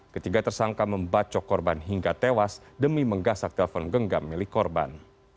ketiga tersangka membacok korban hingga tewas demi menggasak telpon genggam milik korban